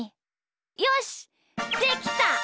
よしできた！